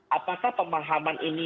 apakah pemahaman ini